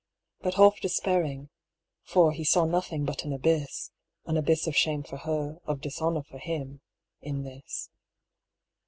Bnt half de spairing — ^f or he saw nothing but an abyss — an abyss of shame for her, of dishonour for him, in this.